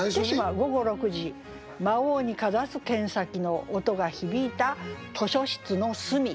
「午後六時魔王にかざす剣先の音が響いた図書室の隅」。